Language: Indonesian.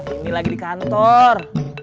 ini lagi di kantor